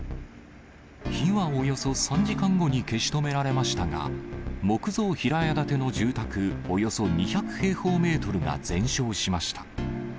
火はおよそ３時間後に消し止められましたが、木造平屋建ての住宅およそ２００平方メートルが全焼しました。